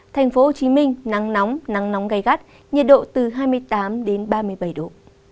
thành phố hồ chí minh nắng nóng nắng nóng gai gắt nhiệt độ từ hai mươi tám đến ba mươi bảy độ